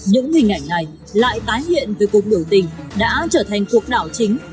những hình ảnh này lại tái hiện về cuộc biểu tình đã trở thành cuộc đảo chính